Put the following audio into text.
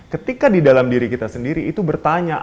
ketika di dalam diri kita sendiri itu bertanya